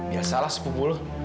ya salah sepupu lo